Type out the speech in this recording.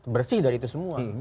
bersih dari itu semua